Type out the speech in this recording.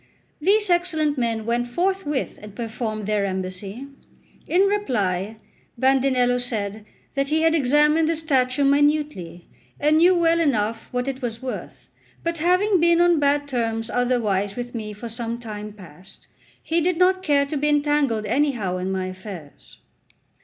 These excellent men went forthwith and performed their embassy. In reply Bandinello said that he had examined the statue minutely, and knew well enough what it was worth; but having been on bad terms otherwise with me for some time past, he did not care to be entangled anyhow in my affairs.